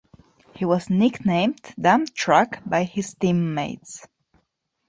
He was nicknamed "Dump Truck" by his teammates.